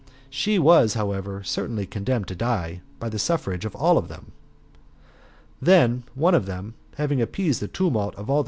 She was, however, certainly condemned to die, by the suffrage of all of them. Then one of them, having appeased the tumult of all tl.